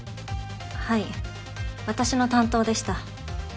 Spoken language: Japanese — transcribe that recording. はい私の担当でした。